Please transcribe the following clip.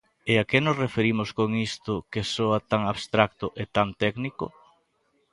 ¿E a que nos referimos con isto que soa tan abstracto e tan técnico?